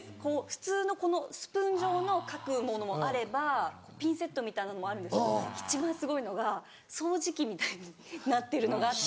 普通のこのスプーン状のかくものもあればピンセットみたいなのもあるんですけど一番すごいのが掃除機みたいになってるのがあって。